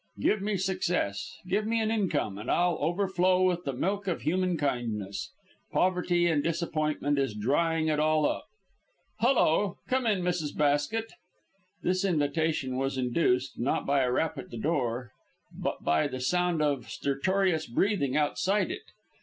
Give me success, give me an income, and I'll overflow with the milk of human kindness. Poverty and disappointment is drying it all up. Hullo! Come in, Mrs. Basket." This invitation was induced, not by a rap at the door, but by the sound of stertorous breathing outside it.